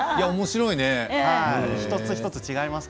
おもしろいね。